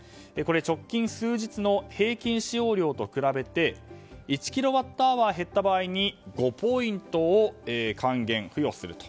直近数日の平均使用量と比べて１キロワットアワー減った場合に５ポイントを還元、付与すると。